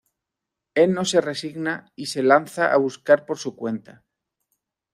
Él no se resigna y se lanza a buscar por su cuenta.